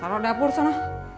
kalo dapur sana